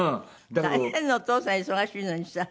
大変ねお父さん忙しいのにさ。